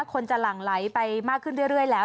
คนจะหลั่งไหลไปมากขึ้นเรื่อยแล้ว